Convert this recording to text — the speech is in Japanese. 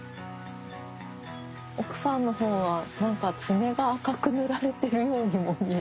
奧さんの方は何か爪が赤く塗られてるようにも見える。